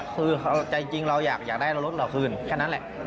คือใจจริงเราอยากได้รถเราคืนแค่นั้นแหละ